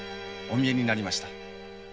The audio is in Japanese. お見えになりました。